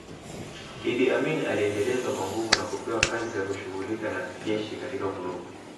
Idi Amin aliendelezwa kwa nguvu na kupewa kazi ya kushughulika na jeshi katika vurugu